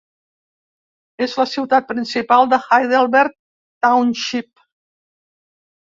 És la ciutat principal de Heidelberg Township.